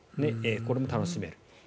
これも楽しめる。